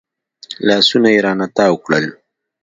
لاسونه يې رانه تاو کړل.